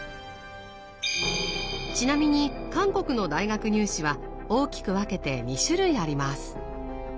ちなみに韓国の大学入試は大きく分けて２種類あります。